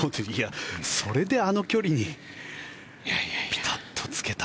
それであの距離にピタッとつけた。